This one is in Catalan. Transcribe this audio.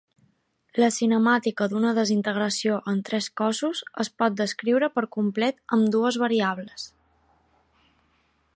La cinemàtica d'una desintegració en tres cossos es pot descriure per complet amb dues variables.